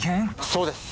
そうです